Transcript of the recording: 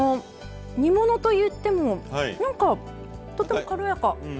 煮物といっても何かとっても軽やか。